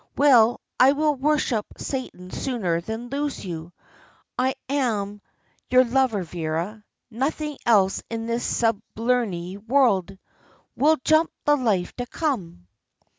Well, I will worship Satan sooner than lose you. I am your lover, Vera nothing else in this sublunary world. 'We'll jump the life to come.'"